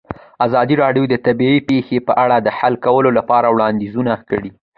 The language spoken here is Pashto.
ازادي راډیو د طبیعي پېښې په اړه د حل کولو لپاره وړاندیزونه کړي.